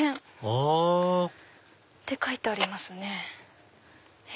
あ書いてありますね。